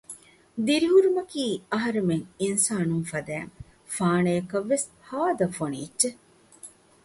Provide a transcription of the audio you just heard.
ދިރިހުރުމަކީ އަހަރެމެން އިންސާނުން ފަދައިން ފާނަޔަކަށް ވެސް ހާދަ ފޮނި އެއްޗެއް